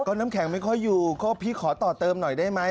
ก็น้ำแข็งไม่ค่อยอยู่ก็พี่ขอต่อเติมหน่อยได้ไหม